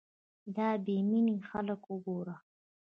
دا بې مينې خلک وګوره